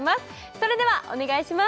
それではお願いします